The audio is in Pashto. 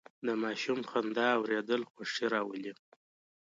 د ماشوم خندا اورېدل خوښي راولي.